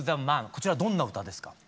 こちらどんな歌ですか？